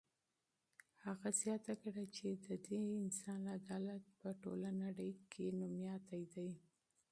هغه زیاته کړه چې د دې انسان عدالت په ټوله نړۍ کې مشهور دی.